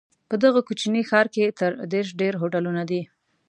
په دغه کوچني ښار کې تر دېرش ډېر هوټلونه دي.